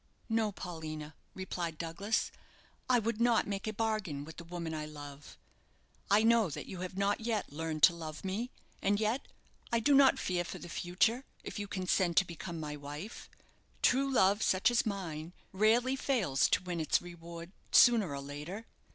"No, Paulina," replied Douglas; "I would not make a bargain with the woman I love. I know that you have not yet learned to love me, and yet I do not fear for the future, if you consent to become my wife. True love, such as mine, rarely fails to win its reward, sooner or later.